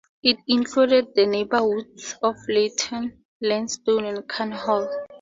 It included the neighbourhoods of Leyton, Leytonstone and Cann Hall.